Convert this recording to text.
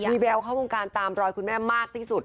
มีแววเข้าวงการตามรอยคุณแม่มากที่สุด